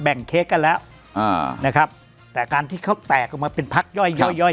เค้กกันแล้วอ่านะครับแต่การที่เขาแตกออกมาเป็นพักย่อยย่อยย่อย